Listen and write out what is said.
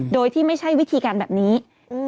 โดยที่ไม่ใช่วิธีการแบบนี้